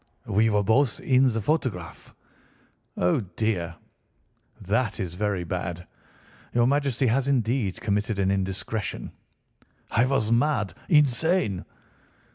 "We were both in the photograph." "Oh, dear! That is very bad! Your Majesty has indeed committed an indiscretion." "I was mad—insane."